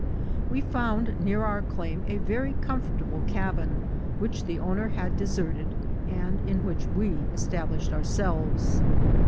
We found near our claim a very comfortable cabin, which the owner had deserted, and in which we established ourselves.